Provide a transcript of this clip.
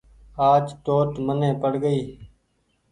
آج ٽوٽ مني پڙ گئي